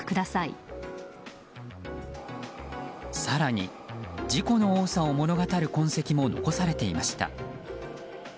更に、事故の多さを物語る痕跡も残されていました。